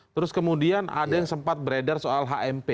terus kemudian ada yang sempat beredar soal hmp